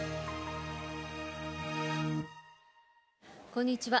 こんにちは。